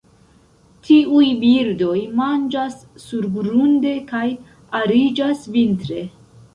Tiuj birdoj manĝas surgrunde, kaj ariĝas vintre.